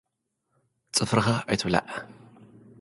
ጽፍርኻ ኣይትብላዕ።